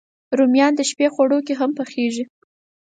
رومیان د شپی خواړو کې هم پخېږي